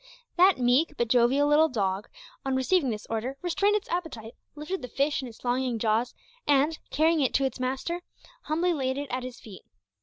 That meek but jovial little dog, on receiving this order, restrained its appetite, lifted the fish in its longing jaws, and, carrying it to his master, humbly laid it at his feet.